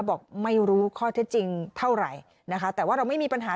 บอกไม่รู้ข้อเท็จจริงเท่าไหร่นะคะแต่ว่าเราไม่มีปัญหา